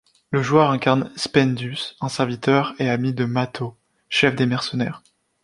Le joueur incarne Spendius, un serviteur et ami de Mathô, chef des mercenaires.